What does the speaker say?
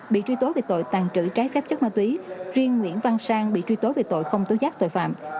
bị truy tố về tội tàn trữ trái phép chất ma túy riêng nguyễn văn sang bị truy tố về tội không tố giác tội phạm